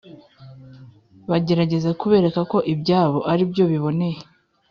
bagerageza kubereka ko ibyabo ari byo biboneye.